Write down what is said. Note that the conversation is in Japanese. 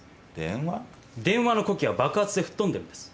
電話の子機が爆発で吹っ飛んでるんです。